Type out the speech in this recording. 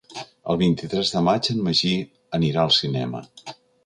El vint-i-tres de maig en Magí anirà al cinema.